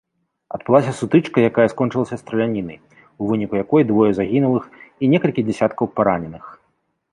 Адбылася сутычка, якая скончылася стралянінай, у выніку якой двое загінулых і некалькі дзесяткаў параненых.